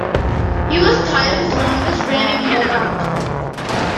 He was Thailand's longest-reigning monarch.